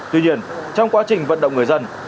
tuy nhiên trong quá trình vận động người dân